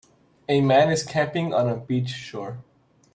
A man is camping on a beach shore.